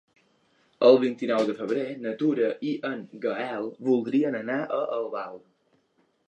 El vint-i-nou de febrer na Tura i en Gaël voldrien anar a Albal.